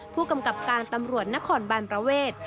ผู้กำกับการตำรวจนครบานประเวท